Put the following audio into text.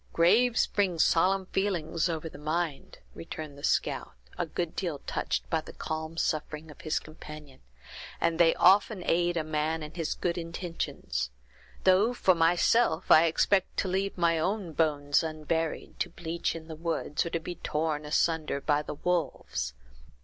"Graves bring solemn feelings over the mind," returned the scout, a good deal touched at the calm suffering of his companion; "and they often aid a man in his good intentions; though, for myself, I expect to leave my own bones unburied, to bleach in the woods, or to be torn asunder by the wolves.